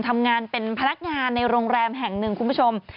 ทำงานเป็นพนักงานในโรงแรมแห่งหนึ่งคุณผู้ชม